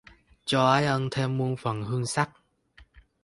Cho ái ân thêm muôn phần hương sắc.